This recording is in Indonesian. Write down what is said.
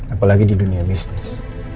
apalagi di dunia bisnis